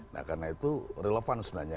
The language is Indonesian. nah karena itu relevan sebenarnya